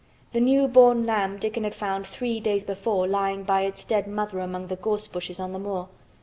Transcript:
The new born lamb Dickon had found three days before lying by its dead mother among the gorse bushes on the moor.